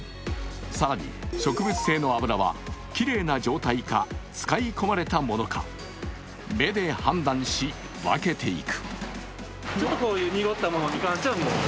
更に、植物性の油はきれいな状態か使い込まれたものか、目で判断し、分けていく。